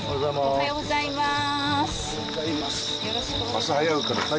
おはようございます。